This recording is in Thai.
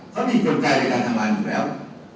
เขามีเกี่ยวใจในการทำงานอยู่แล้ว